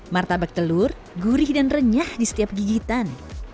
martabak telur gurih dan renyah di setiap gigitan